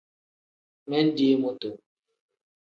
Mindi mutu.